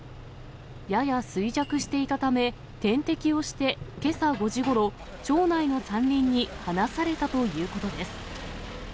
やや衰弱していたため、点滴をしてけさ５時ごろ、町内の山林に放されたということです。